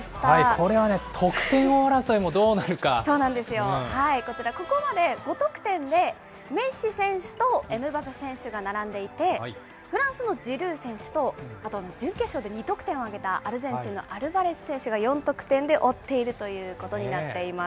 これはね、得点王争いもどうこちら、ここまで５得点でメッシ選手とエムバペ選手が並んでいて、フランスのジルー選手と、あと準決勝で２得点を挙げたアルゼンチンのアルバレス選手が４得点で追っているということになっています。